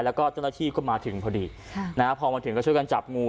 แล้วก็เจ้าหน้าที่ก็มาถึงพอดีพอมาถึงก็ช่วยกันจับงู